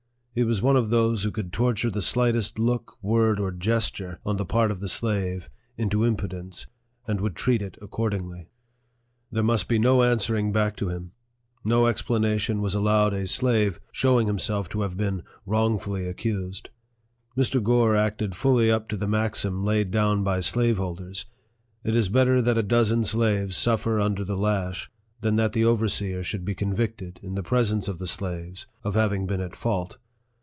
He was one of those who could torture the slightest look, word, or gesture, on the part of the slave, into impudence, and would treat it accordingly. There must be no answering back to him ; no expla nation was allowed a slave, showing himself to have been wrongfully accused. Mr. Gore acted fully up to the maxim laid down by slaveholders, "It is better that a dozen slaves suffer under the lash, than that the overseer should be convicted, in the presence of the slaves, of having been at fault."